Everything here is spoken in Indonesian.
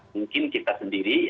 mungkin kita sendiri